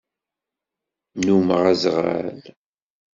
Nnumeɣ azɣal.